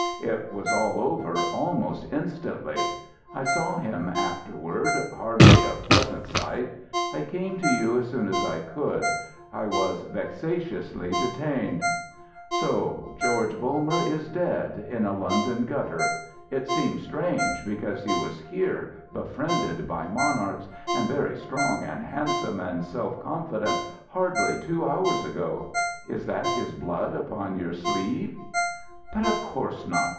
It was all over almost instantly. I saw him afterward, hardly a pleasant sight. I came to you as soon as I could. I was vexatiously detained " "So George Bulmer is dead, in a London gutter! It seems strange, because he was here, befriended by monarchs, and very strong and handsome and self confident, hardly two hours ago. Is that his blood upon your sleeve?" "But of course not!